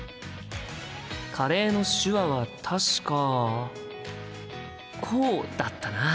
カレーの手話は確かこうだったな。